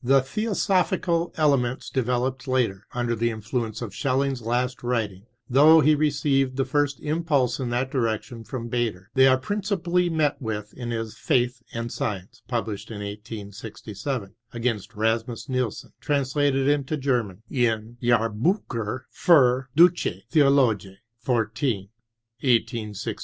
The thcosopmcal elements developed later, under the influence of Schelling's last writing, though he received the first impulse in that direction from Baader. They are principally met with in his Faith and Science, published in 1867 against Rasmus Nielsen, translated into German in Jahrbficfier JUrdeutsche Theologie, xiv.